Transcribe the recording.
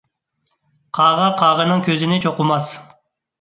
قاغا قاغىنىڭ كۆزىنى چوقۇماس.